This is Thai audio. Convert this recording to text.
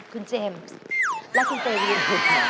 คุณเจมส์และคุณเตวิน